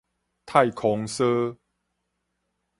太空梭